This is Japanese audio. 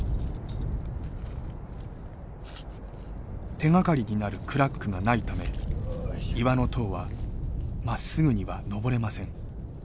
手がかりになるクラックがないため岩の塔はまっすぐには登れません。